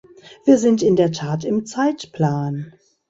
Wir sind in der Tat im Zeitplan.